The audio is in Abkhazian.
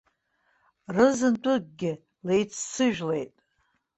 Рызынтәыкгьы леицсыжәлеит.